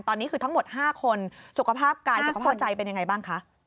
ตอนนี้คือทั้งหมด๕คนสุขภาพกายสุขภาพใจเป็นยังไงบ้างคะ